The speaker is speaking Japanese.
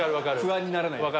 不安にならないで。